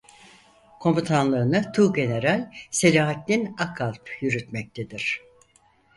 Komutanlığını Tuğgeneral Selahattin Akalp yürütmektedir.